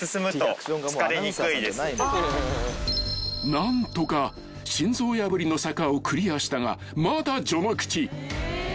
［何とか心臓破りの坂をクリアしたがまだ序の口］